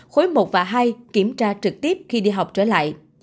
khối một và hai kiểm tra trực tiếp khi đi học trở lại